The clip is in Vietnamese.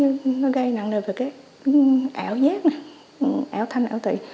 nó gây nặng nề về các ẻo giác ẻo thanh ẻo tị